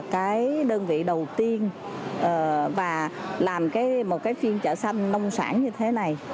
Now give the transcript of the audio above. cái đơn vị đầu tiên và làm một cái phiên chợ xanh nông sản như thế này